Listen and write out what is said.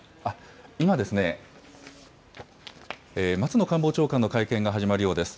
今、松野官房長官の会見が始まるようです。